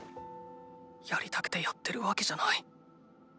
やりたくてやってるわけじゃない。